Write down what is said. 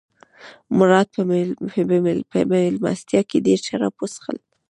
مراد په مېلمستیا کې ډېر شراب وڅښل.